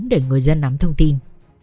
để người dân nắm thông tin